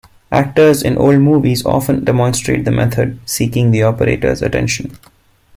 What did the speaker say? Actors in old movies often demonstrate the method, seeking the operator's attention.